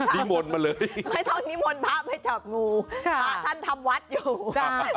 นิมนต์มาเลยไม่ต้องนิมนต์พระไปจับงู